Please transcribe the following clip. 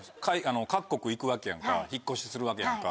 各国行くわけやんか引っ越しするわけやんか。